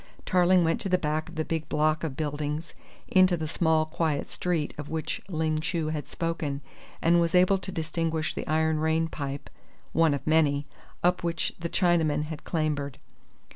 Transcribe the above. Tarling went to the back of the big block of buildings, into the small, quiet street of which Ling Chu had spoken, and was able to distinguish the iron rain pipe (one of many) up which the Chinaman had clambered.